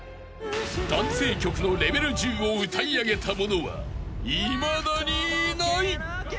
［男性曲のレベル１０を歌い上げた者はいまだにいない］